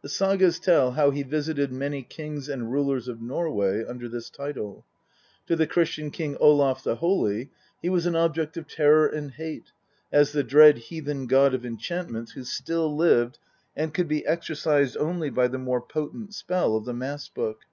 The Sagas tell how he visited many kings and rulers of Norway under this title. To the Christian king Olaf the Holy he was an object of terror and hate, as the dread heathen god of enchantments who still lived and could be exorcised only by the more potent spell of the mass book.